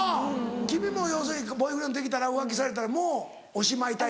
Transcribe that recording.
君も要するにボーイフレンドできたら浮気されたらもうおしまいタイプ？